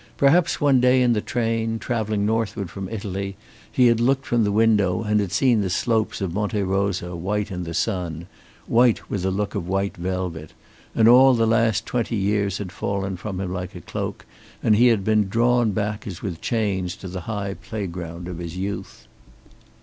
Perhaps one day in the train, traveling northward from Italy, he had looked from the window and seen the slopes of Monte Rosa white in the sun white with the look of white velvet and all the last twenty years had fallen from him like a cloak, and he had been drawn back as with chains to the high playground of his youth.